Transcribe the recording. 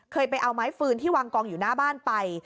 เคยไปเอาไม้ฟืนที่วางกองอยู่หน้าบ้านไป